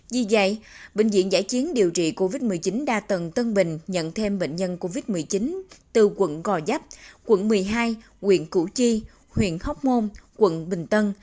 di dời bệnh viện giải chiến điều trị covid một mươi chín đa tầng tân bình nhận thêm bệnh nhân covid một mươi chín từ quận gò dấp quận một mươi hai quyện củ chi huyện hóc môn quận bình tân